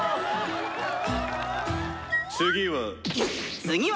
「次は」。